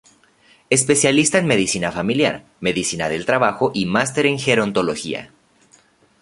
Especialista en Medicina Familiar, Medicina del Trabajo y Máster en gerontología.